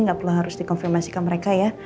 gak perlu harus dikonfirmasikan mereka ya